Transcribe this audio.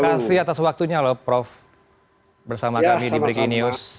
terima kasih atas waktunya loh prof bersama kami di breaking news